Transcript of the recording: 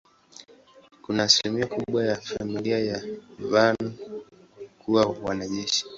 Kuna asilimia kubwa ya familia ya Van kuwa wanajeshi.